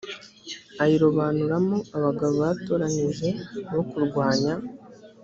ayirobanuramo abagabo batoranije bo kurwanya